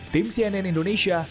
tim cnn indonesia